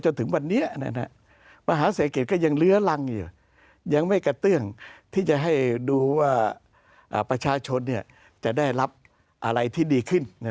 จนถึงวันนี้มหาเศรษฐกิจก็ยังเลื้อรังอยู่ยังไม่กระเตื้องที่จะให้ดูว่าประชาชนจะได้รับอะไรที่ดีขึ้น